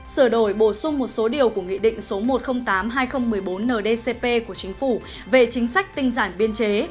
sửa đổi bổ sung một số điều của nghị định số một trăm linh tám hai nghìn một mươi bốn ndcp của chính phủ về chính sách tinh giản biên chế